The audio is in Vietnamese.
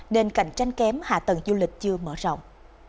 nên cạnh tranh kém hạ tầng du lịch chưa mở rộng